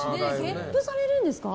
ゲップされるんですか？